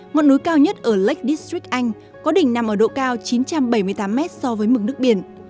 ngọn núi cao nhất ở lek districk anh có đỉnh nằm ở độ cao chín trăm bảy mươi tám mét so với mực nước biển